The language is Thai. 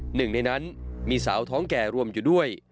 หนึ่งในนั้นมีสาวท้องแก่รวมอยู่ด้วย